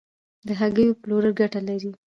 د هګیو پلورل ګټه لري؟